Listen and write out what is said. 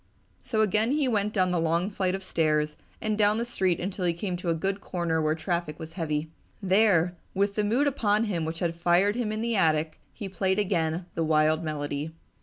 So again he went down the long flights of stairs and down the street until he came to a good corner where traffic was heavy. There, with the mood upon him which had fired him in the attic, he played again the wild melody.